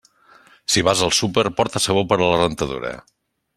Si vas al súper, porta sabó per a la rentadora.